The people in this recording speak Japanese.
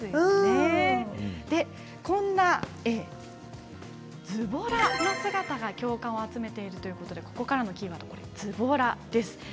こんなズボラな姿が共感を集めているということでここからのキーワードはズボラです。